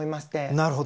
なるほど。